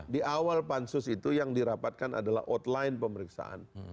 di awal pansus itu yang dirapatkan adalah outline pemeriksaan